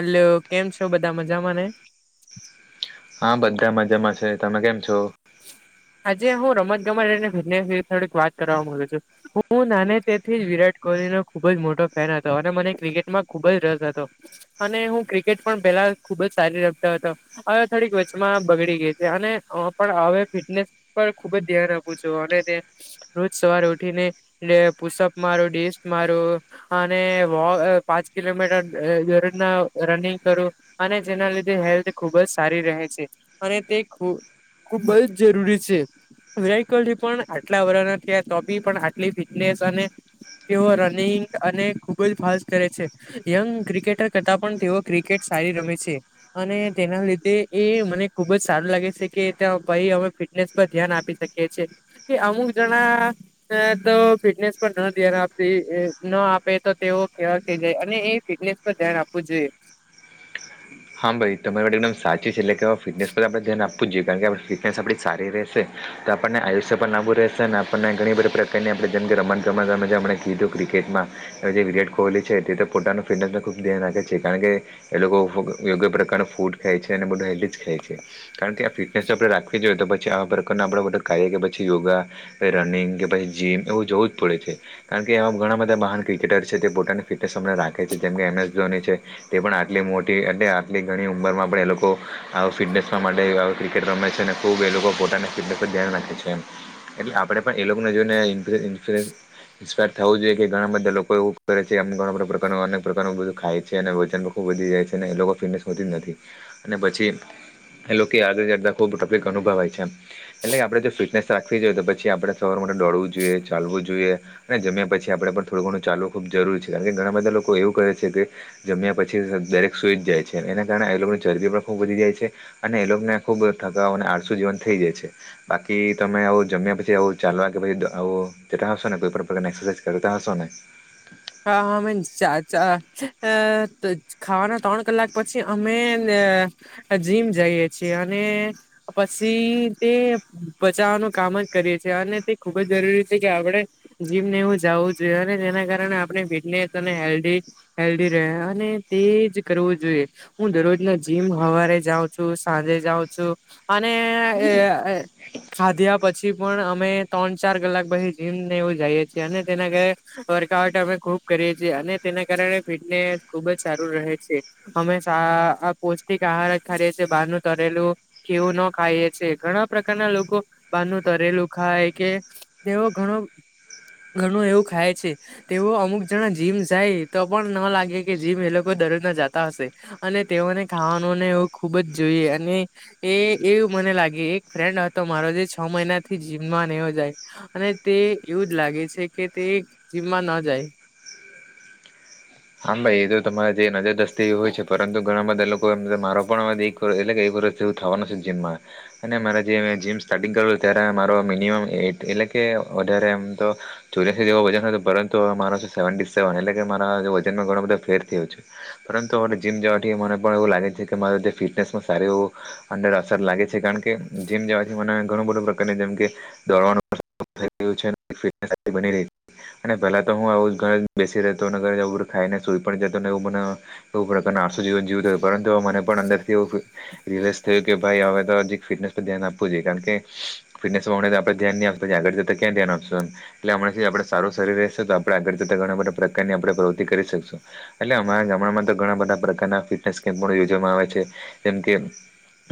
Hello કેમ છો બધા મજામાંને? હા બધા મજામાં છે, તમે કેમ છો? આજે હું રમત ગમત અને ઘર ને થોડીક વાત કરવા માગુ છું, હું નાને તેથી વિરાટ કોહલી નો ખૂબ જ મોટો ફેન હતો અને મને ક્રિકેટમાં ખુબ જ રસ હતો અને હું ક્રિકેટ પણ પેલા ખુબ જ સારી રમતો હતો. હવે થોડીક વચમાં બગડી ગઈ હતી અને અ પણ હવે ફિટનેસ પર ખુબ જ ધ્યાન આપું છું અને તે રોજ સવારે ઉઠીને ને પુષપ મારું, ડેસ્ટ મારું અને વો અ પાંચ કિલોમીટર અ દરરોજના રનિંગ કરું અને જેના લીધે હેલ્થ ખૂબ જ સારી રહે છે અને તે ખૂબ ખુબ જ જરૂરી છે. વિરાટ કોહલી પણ આટલા વરના થ્યા તો બી પણ આટલી ફિટનેસ અને તેઓ રનિંગ અને ખુબ જ ફાસ્ટ કરે છે, યંગ ક્રિકેટર કરતાં પણ તેઓ ક્રિકેટ સારી રમે છે અને તેના લીધે એ મને ખુબ જ સારું લાગે છે કે ત્યાં ભઈ અમે ફિટનેસ પર ધ્યાન આપી શકીએ છે કે અમુક જણા અ તો ફીટ નેસ પર ન ધ્યાન આપતી એ ન આપે તો તેઓ કેવા થઈ જાય અને એ ફિટનેસ પર ધ્યાન આપવું જો એ. હા ભઈ, તમારી વાત એકદમ સાચી છે. એટલે કે ફિટનેસ પર આપણે ધ્યાન આપવું જોઈએ. કારણ કે આપળે ફિટનેસ આપણી સારી રહેશે તો આપણને આયુષ્ય પણ લાંબુ રહેશે અને આપણને ઘણી બધી પ્રકારની આપળે જેમકે રમત ગમત, તમે જે હમણાં કીધું ક્રિ કેટમા જે વિરાટ કોહલી છે તે તો પોતાનું ફિટનેસનું ખુબ ધ્યાન રાખે છે. કારણ કે એ લોકો યોગ્ય પ્રકારનું ફૂડ ખાય છે અને બધું હેલ્ધી જ ખાય છે. કારણ કે, આ ફિટનેસ જો આપણે રાખવી જોઈએ તો પ છી આવા પ્રકારના આપળા બધા કાર્ય કે પછી યોગા કે રનિંગ કે પછી જીમ એવું જવું જ પડે છે. કાર ણ કે એવા ઘણા બધા મહાન ક્રિકેટર છે તે પોતાની ફિટનેસ હમણા રાખે છે. જેમ કે એમએસ ધોની છે તે પણ આટલી મોટી એ ને આટલી ઘણી ઉંમરમાં પણ એ લોકો અ ફિટનેસના માટે અ ક્રિકેટ રમે છે અને ખુબ એ લોકો પોતાને ફિટનેસનું ધ્યાન રાખે છે એમ. એટલે આપડે પણ એ લોકને જોઈ ઈન્ફ ઈન્ફ્લુ ઇન્સ્પાયર થવું જોઈએ કે ઘણા બધા લોકો એવું કરે છે એમ ઘણા બધા પ્રકારનો અનેક પ્રકારનો બધું ખાય છે અને વજન ખૂબ વધી જાય છે ને એ લોકો ફિટનેસ હોતી નથી અને પછી એ લોકે આગળ જાતા ખુબ તફલીક અનુભવાય છે. એટલે આપડે જે ફિટનેસ રાખવી જોઈએ તો પછી આપણે સવારમાં દોડવું જોઈએ ચાલવું જોઈએ અને જમ્યા પછી આપણે પણ થોડું ઘણું ચાલવું ખુબ જરૂરી છે. કારણ કે ઘણા બધા લોકો એવું કરે છે કે જમ્યા પછી ડાયરેક સુઈ જ જાય છે. એના કારણે એની ચરબી પણ ખુબ વધી જાય છે અને એ લોકને ખુબ થકાવ અને આરસું જીવન થઈ જાય છે. બાકી તમે આવું જમ્યા પછી આવ ચાલવા કે પછી આવ જતા હશો ને કોઈ પણ પ્રકારની એક્સરસાઇઝ કરતા હશો. ને હા અમે ચા ચા એ ખાવાના ત્રણ કલાક પછી અમે જીમ જઈએ છીએ અને પછી તે પચાવવાનું કામ જ કરીએ છીએ અને તે ખુબ જ જરૂરી છે કે આપણે જીમને એવું જું જોઈએ અને તેના કારણે નેે ફિટ અને હેલ્થી, હેલ્થી રહે અને તે જ કરવું જોઈએ હું દરરોજના જીમ હવારે જાઉં છું સાંજે જાઉં છું અને અ અ ખાધ્યા પછી પણ અમે ત્રણ ચાર કલાક પછી જીમ ને એવું જઈએ છીએ અને તેના ઘ વર્કઆઉટ અમે ખૂબ કરીએ છે અને તેના કારણે ફિટનેસ ખુબ જ સારું રહે છે. હંમેશા આ પોસ્ટીક આહાર જ ખાઈએ છે. બહારનું તરેલું કે એવું ના ખાઈ છે. ઘણા પ્રકારના લોકો બહારનું તરેલું ખાય કે તેવો ઘણો ઘણું એવું ખાય છે. તેવો અમુક જણા જીમ જાય તો પણ ના લાગે કે જીમ એ લોકો દરજના જતા હશે અને તેઓને ખા એ ખુબ જ જોઈ અને એ એવું મને લાગે એક ફ્રેન્ડ હતો મારો જે છ મહિના નાથી જીમમાં ન જાય અને તે એવું જ લાગે છે કે તે જીમમાં ન જાય. હા ભાઈ એ તો તમારે જે નજર દૃષ્ટિ એવી હોય છે પરંતુ ઘણા બધા લોકો એ મારો પણ એટલે થવાનું છે જીમમાં અને મારે જે જીમ સ્ટાર્ટિંગ કરું ત્યારે મારો મિનિમમ એટ એટલે કે વધારે એમ તો ચોર્યાસી જેવો વજન હતું પરંતુ હવે છે. સેવેન્ટી સેવન એટલે કે મારા જેવો જ ઘણો બધો ફેર થયો છે. જવાથી મને એવું લાગે છે કે મારે જે ફિટનેસ સારુ એવું અંદર અસર લાગે છે કારણ કે જીમ જવાથી મને ઘણું બધો પ્રકાર જેમ કે દોડવાનું થઈ ગયુ છે અને પેલા તો હું આવુ ઘરે બેસી રહેતો ઘરે ને આવુ જ બધું ખાઈને સુઈ પણ જતો ને એ મને બુ પ્રકારના આરસુ જીવન જીવતો હતો પરંતુ મને પણ અંદર થી રિયલાઇસ થયું કે ભાઈ હવે તો જીક ફિટનેસ પર ધ્યાન આપવું જોઈએ કારણ કે ફિટનેસ આપડણે ધ્યાન ન આપ તો ક્યાં ધ્યાન આપશુ એટલે આપડે સારું શરીર રહેશે તો આપગતા પ્રકારની આપણે પ્ર કરી એટલે અમારા ગામડામાં તો ઘણા બધા પ્રકારના ફિટનેસ કેમ્પ યોજવામાં આવે છે જેમ કે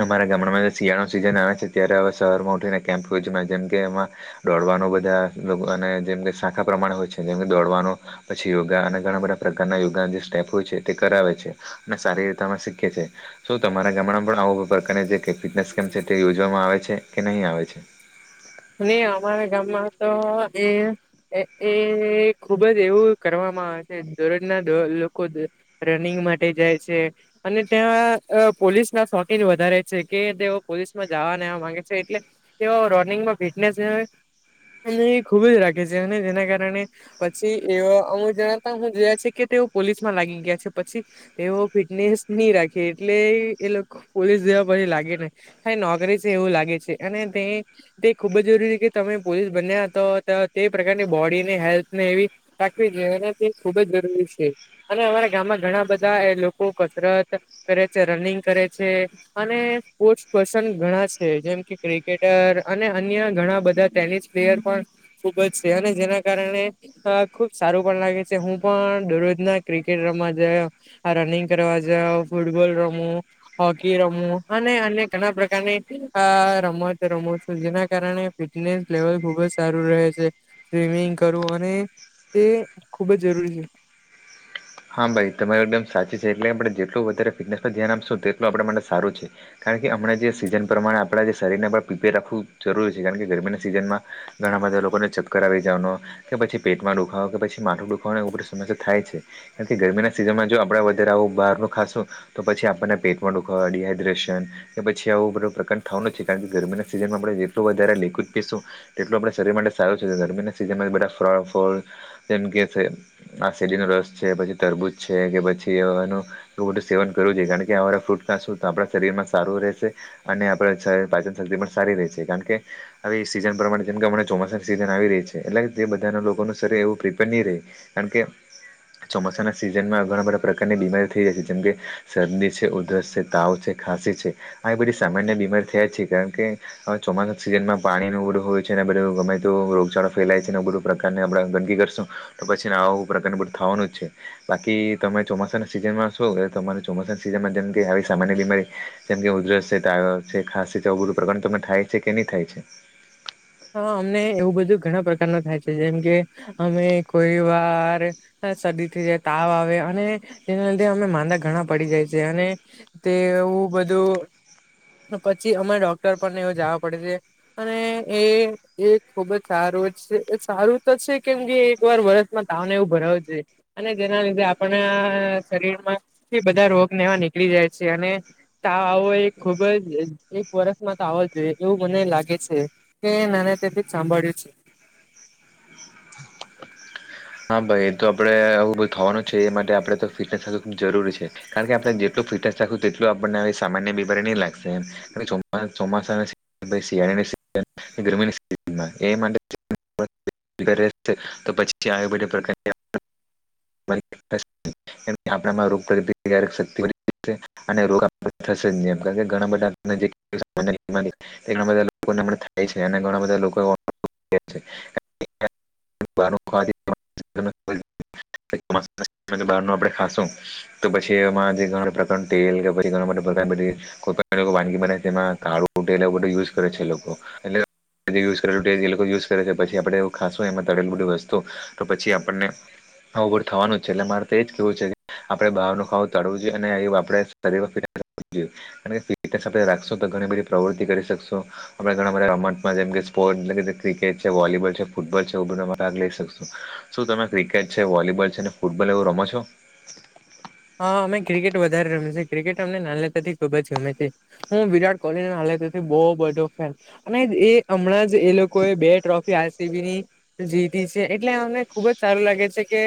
અમારા ગામડામાં શિયાળાનો સીઝન આવે છે ત્યારે હવે સવારમાં ઉઠીને કેમ્પ જેમ કેમાં દોડ બધા અને જેમ શાખા પ્રમાણે હોય છે જેમ દોડવાનું પછી યોગા અને ઘણા બધા પ્રકારના યોગા જે સ્ટેપ હોય છે તે કરાવે છે અને સારી રીતેમાં શીખે છે શું તમારા ગામ આવુ પ્રકારની ફટ્નેઝ કેમ્ છે તે યોજવામાં આવે છે કે નહીં આવે છે? અમારા ગામમાં તો એ એ ખુબ જ એવું કરવા મા દોર જ ના લોકો રનિંગ માટે જાય છે અને ત્યાં પોલીસ ના શોખીન વધારે છે કે તેઓ પોલીસમાં જાવા ન એવા માંગે છે એટલે તેઓ રોનિંગમાં ફિટનેસ અને એ ખુબ જ રાખે છે અને જેના કારણે પછી એવા અમુક જણાતા હું જોયા છે કે પોલીસ માં લાગી ગયા છે, પછી તેઓ ફિટનેસ નહી રાખે એટલે એ લોકો પોલીસ પછી લાગે ને કઈ નોકરી છે, એવું લાગે છે અને તે તે ખુબ જ જરૂરી છે કે તમે પોલીસ બન્યા તો તે પ્રકારની બોડી ને હેલ્થ ને એવી રાખવી જે તે ખુબ જ જરૂરી છે અને અમારા ગામમાં ઘણા બધા એ લોકો કસરત કરે છે. રનિંગ કરે છે અને સ્પોર્ટસ પર્સન ઘણા છે. જેમ કે ક્રિકેટર અને અન્ય ઘણા બધા ટેનિસ પ્લેયર પણ ખુબ જ છે અને જેના કારણે અ ખુબ સારું પણ લાગે છે. હું પણ દરરોજ ના ક્રિકેટ રમવા જાવ, રનિંગ કરવા જાવ, ફૂટબોલ રમુ, હોકી રમુ અને ઘણા પ્રકારની રમત રમું છું. જેના કારણે ફિટનેસ લેવલ ખુબ જ સારું રહે છે. સ્વિમિંગ કરવું અને તે ખૂબ જ જરૂરી છે. હા ભાઈ તમારી એકદમ સાચી છે એટલે આપણે જેટલું વધારે ફિટનેસ ધ્યાન આપશું તેટલું આપ માટે સારું છે. કારણ કે હમણા જે સીઝન પ્રમાણે આપણા જે શરીરને પ્રીપેર રાખવું જરૂરી છે કારણ કે ગરમીના સિઝનમાં ઘણા બધા બધા લોકોને ચક્કર આવી જવાનો કે પછી પેટમાં દુખાવો કે પછી માટું દુખાવાનું એવી બધી સમસ્યા થાય છે. તેથી ગરમીના સિઝનમાં જો આપણે વધારે આવું બહારનું ખાશું તો પછી આપણને પેટમાં દુખાવા, ડી હાઈડ્રેશન કે પછી આવું બધું પ્રકાર થવાનું જ છે, કારણ કે ગરમીના સિઝનમાં આપણે જેટલું વધારે લિક્વીડ પીશું તેટલું આપણા શરીર માટે સારું છે. ગરમીના સીઝન બધા ફ્રા ફળ જેમ કે શે આ શેરડીનો રસ છે, પછી તરબૂચ છે કે પછી એવેનું બધું સેવન કરવું જોઈએ, કારણ કે આ બધા ફ્રૂટ ખાશું તો આપણા શરીર- માં સારું રહેશે, અને આપણાં છ પાચનશક્તિ પણ સારી રહેશે, કારણ કે આવી સિઝન પ્રમાણે જેમ કે હમણે ચોમાસાની સિઝન આવી રહી છે, એટલે કે તે બધાના લોકોનું શરીર એવું પ્રિપેર નહીં રહે, કારણ કે ચોમાસાના સિઝનમાં ઘણા બધા પ્રકારની બીમારી થઈ જાય છે જેમકે શરદી છે ઉધરસ છે તાવ છે ખા. ખાંસી છે આવી બધી સામાન્ય બીમારી થયા છે કારણ કે ચોમાસાની સીઝનમાં પાણી ને બધું હોય છે અને ગમે તો રોગચાળો ફેલાય છે ને બધું પ્રકારને આપણે ગંદકી કરશું તો પછીને આ પ્રકાર બધું થવાનું છે બાકી તમે ચોમાસાના સિઝન માં શો તમારે ચોમાસા સિઝનમાં જેમ કે આવી સામાન્ય બીમારી જેમ કે ઉધરસ છે છે ખાસી કારણ તમે થાય છે કે નહી થાય છે? [inaudible] હા અમને એવું બધું ઘણા પ્રકાર ન થાય છે જેમ કે અમે કોઈ વાર શરદી થઈ જાય તાવ આવે અને તેના લીધે અમે માંદા ઘણા પડી જાય છે અને તે એવું બધું, તો પછી અમે ડોક્ટર પણને એવું જાવા પડે છે. અને એ-એ ખુબ જ સારું જ છ, એ સારું તો છે કેમ કે એક વાર વરસમાં તાવને એવું ભરા [unintelligible] અને જેના લીધે આપણા શરીર માં તે બધા રોગને એવા નીકળી જાય છે. અને તાવ આવવો એ ખુબ જ એક વરસમાં તો આવવો જ જોઈએ એવું મને લાગે છે. કે નાને તેથી જ સાંભળ્યું છે. હા ભાઈ. એ તો આપડે આવું બધું થવાનું છે એ માટે આપણે તો ફિટનેસ [unintelligible] ખૂબ જરૂરી છે, કારણ કે આપણે જેટલું ફીટનેસ રાખું તેટલું આપણને આવી સામાન્ય બીમારી નહીં લાગશે એમ. આપણે ચોમા ચોમાસા [unintelligible] શિયાળની [unintelligible] તો પછી ત્યાં આવી બધી પ્રકાર [unintelligible] [inaudible] આપણામાં રોગપ્રતિકારક શક્તિ [inaudible] [inaudible] તે ઘણા બધા લોકો ને હમણે થાય છે, અને ઘણાં બધા લોક કો [inaudible] બ આપે ખાશું તો પછી એમાં જે ઘણા પ્રકાર તેલ કે પછી કોઈ વાનગી બના તેમાં કાળું ટેલ બધ યુઝ કરે છે લોકો એટલે યુઝ કરેલ ટે એ લોકો યુઝ કરે પછ આપણે એ ખાસું એમાં તળલ બધું તો પછી આપણને આવું બધું થવાનું જ છે એટલે મારે તો એજ કેવું છે કે આપડે બહારનું ખાવું તાડવું જોઈએ અને એ આપડે શરીર રાખશો તો ઘણી બધી પ્રવૃતિ કરી શકશો આપણે ઘણા બધા રમત સ્પોર્ટ ક્રિકેટ છે વોલીબોલ છે ફૂટબોલ છે આવું બધું શું તમે ક્રિકેટ છે વોલીબોલ છે ફૂટબોલ એવું રમો છો? હા અમે ક્રિકેટ વધારે રમીએ ક્રિકેટ અમને નાનતાથી ખુબ જ ગમે છે હું વિરાટ કોહલીનો બો બધો ફેન અને એ હમણાં જ એ લોકો એ બે ટ્રોફી હસીવી જીઈતી છે એટલે અમને ખુબ જ સારું લાગે છે કે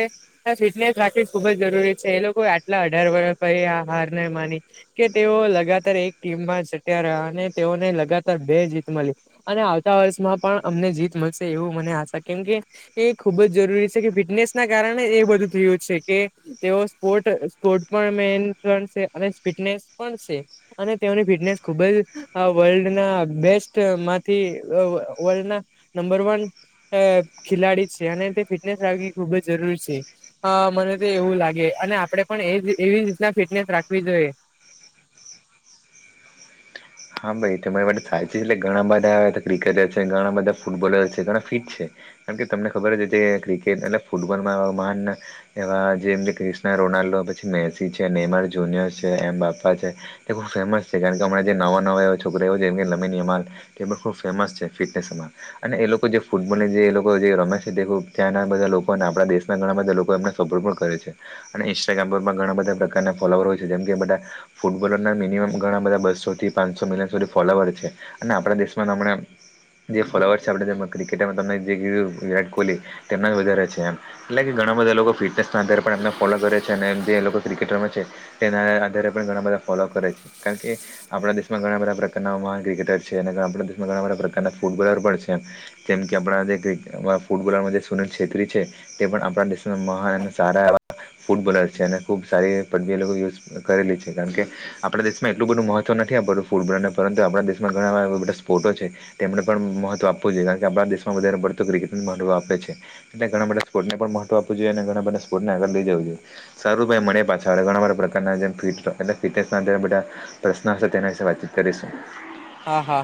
ફિટનેસ રાખવી ખુબ જરૂરી છે એટલે કોઈ આટલા અઢાર વ પ આ હાર ન માની કે તેઓ લગાતાર એક ટીમમાં જટ્યા રહ્યા. તેઓને લગાતાર બે જીત મળી અને આવતા વર્ષમાં પણ અમને જીત મળશે એવું મને આશા કે કે એ ખુબ જ જરૂરી છે કે ફિટનેસ ના કારણે એ બધું થયું છે કે તેઓ સ્પોર્ટ સ્પોર્ટ પણ મેન અને ફિટનેસ પણ છે અને તેની ફિટનેસ ખુબ જ વલ્ડ ના બેસ્ટ માંથી વલ્ ના નંબર વન અ ખેલાડી છે અને તે ફિટનેસ રાખવી ખુબ જ જરૂરી છે અ મને તો એવું લાગે. અને આપડે પણ એ એવી રીતના ફિટનેસ રાખવી જોઈએ. [inaudible] હા ભાઈ તો મારી માટે સાચી એટલે ઘણા બધા ક્રિકેટર છે ઘણા બધા ફૂટબોલર છે ઘણા ફિટ છે. કારમ કે તમને ખબર જ જે ક્રિકેટ એટ ફૂટબોલમાં એવા મહાન એવા જેમ ક્રિ્ના રોનાલ્ડ મેસી છે નેર જુનિર છે એમ બાપા છે ખુબ ફેમસ છે કારણ કેમણા જે નવા નવો એવો છોકરો જેમની ફેમસ છે ફિટનેસ માં અને એ લોકો જે ફૂટબોલ જે એ લોકો જે રમે છે તે ખૂબ ત્યાંના બધા લોકો અને આપણા દેશના ઘણા બધા લોકો એને સપોર્ટ હો પણ કરે છે અને ઇન્સ્ટાગ્રામ પરમાં ઘણા બધા પ્રકારના ફોલોવર હોય છે જેમ કે બધા ફૂટબોલરના મિનિમમ ઘણા બધા બસોથી પાંચસો મિલિયન સુધી ફોલોવર છે અને આપણા દેશમાં તમં જે ફોલોવર છે આપ જે ક્રિકેટમાં તમ જે કી વિરાટ કોહલી તેમના વધારે છે એમ એટલે કે ઘણા બધા લોકો ફિટનેસના આધારે પણ એમને ફોલો કરે છે અને એમ જે એ લોકો ક્રિકેટ રમે છે તેના આધારે પણ ઘણા બધા ફોલો કરે છે કારણ કે આપણા દેશમાં ઘણા બધા પ્રકારના ક્રિકેટર છે અને આપણા દેશમાં ઘણા બધા પ્રકારના ફૂટબોલર પણ છે તેમ કે આપણા જે કિક ફૂટબોલરમાં જે સુનીલ છેત્રી છે તે પણ આપણા દેશના મહાન અને સારા એવા ફૂટબોલર્સ છે અને ખૂબ સારી પદવી એ લોકો યુઝ કરેલી છે કારણ કે આપણા દેશમાં એટલું બધું મહત્વ તો નથી આપડતું ફૂટબોલને પરંતુ આપણા દેશમાં ઘણા એવા એવા બધા સ્પોર્ટો છે તેમને પણ મહત્વ આપવું જોઈએ કારણ કે આપણા દેશમાં વધારેતું ક્રિકેટ મહત્વ આપે છે તે થી ઘણા બધા સ્પોર્ટને પણ મહત્વ આપ જોએ ઘણા બધા સ્પોર્ટ ને આગળ લઈ જાઉં જોયે સારુ ભાઈ મળીયે પાછા અને ગણો બધો પ્રકારના જેમ કે [unintelligible] પ્રશ્ન હશે તેના વિશે વાતચીત કરીશું હા હા